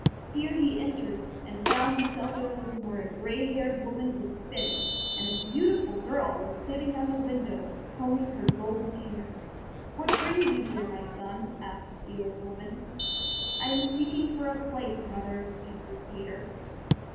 Here he entered and found himself in a room where a gray haired woman was spinning and a beautiful girl was sitting in the window combing her golden hair. "What brings you here, my son?" asked the old woman. "I am seeking for a place, mother," answered Peter.